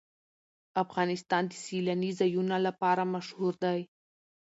افغانستان د سیلانی ځایونه لپاره مشهور دی.